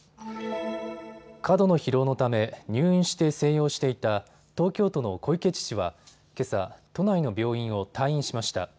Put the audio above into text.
過度の疲労のため入院して静養していた東京都の小池知事はけさ都内の病院を退院しました。